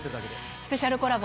スペシャルコラボ